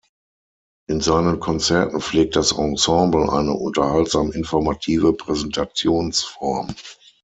In seinen Konzerten pflegt das Ensemble eine unterhaltsam informative Präsentationsform.